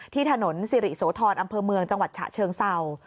ที่ถนนสิริโสธรอำเภอเมืองจังหวัดฉะเชิงเศร้า